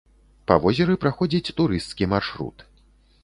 Па возеры праходзіць турысцкі маршрут.